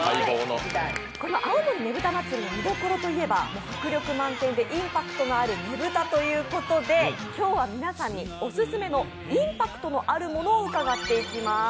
この青森ねぶた祭の見どころといえば迫力満点でインパクトのあるねぶたということで今日は皆さんにオススメのインパクトのあるものを伺っていきます。